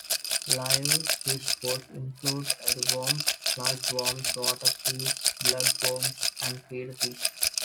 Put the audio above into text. Live fish food include earthworms, sludge worms, water fleas, bloodworms, and feeder fish.